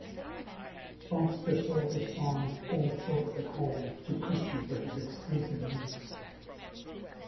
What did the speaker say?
Foster sold his song, "Old Folks at Home", to Christy for his exclusive use.